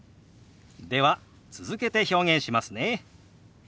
では続けて表現しますね。